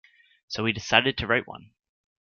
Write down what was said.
So he decided to write one.